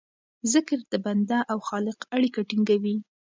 ذکر د بنده او خالق اړیکه ټینګوي.